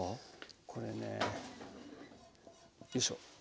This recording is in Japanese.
これねよいしょ。